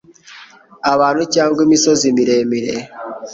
Abantu cyangwa imisozi miremire